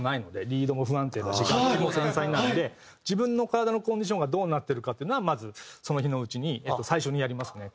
リードも不安定だし楽器も繊細なので自分の体のコンディションがどうなってるかっていうのはまずその日のうちに最初にやりますね。